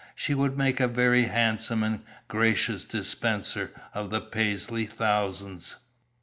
She would make a very handsome and gracious dispenser of the Paisley thousands."